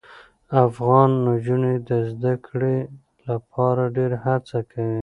افغان نجونې د زده کړې لپاره ډېره هڅه کوي.